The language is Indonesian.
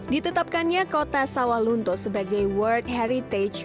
ditetapkannya kota sawalunto sebagai world heritage